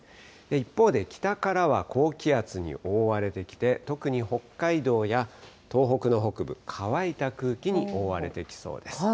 一方で北からは高気圧に覆われてきて、特に北海道や東北の北部、乾いた空気に覆われてきそうです。